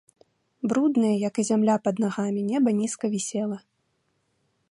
Бруднае, як і зямля пад нагамі, неба нізка вісела.